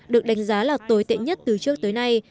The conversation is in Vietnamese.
được đánh giá là tồi tệ nhất từ trước tới nay